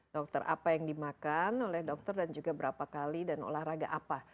dokter apa yang dimakan oleh dokter dan juga berapa kali dan olahraga apa